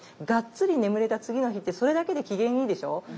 がっつり眠れた次の日ってそれだけで機嫌いいでしょう。